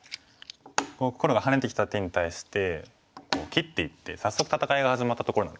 黒がハネてきた手に対して切っていって早速戦いが始まったところなんですね。